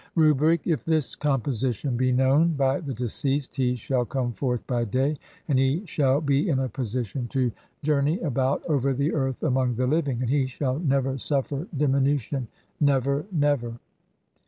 Rubric : if this composition be known [by the deceased] he SHALL COME FORTH BY DAY, AND HE SHALL BE IN A POSITION TO JOUR NEY ABOUT OVER THE EARTH AMONG THE LIVING, AND HE SHALL NEVER SUFFER DIMINUTION, (17) NEVER, NEVER.